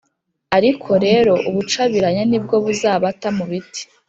ariko rero ubucabiranya ni bwo buzabata mu biti.